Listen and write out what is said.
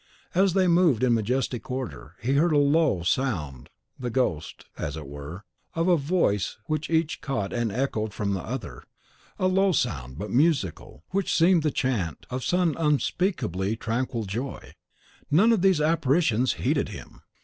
As they moved in majestic order, he heard a low sound the ghost, as it were, of voice which each caught and echoed from the other; a low sound, but musical, which seemed the chant of some unspeakably tranquil joy. None of these apparitions heeded him.